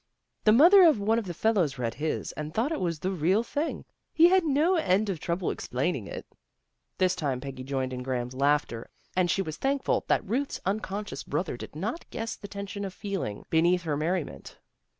The mother of one of the fellows read his, and thought it was the real thing. He had no end of trouble explaining." This time Peggy joined in Graham's laughter, and she was thankful that Ruth's unconscious brother did not guess the tension of feeling be neath her merriment.